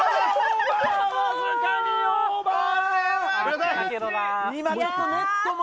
わずかにオーバー！